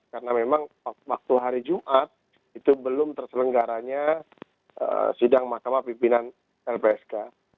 karena waktu hari jumat itu belum terselenggaranya sidang mahkamah pimpinan lpsk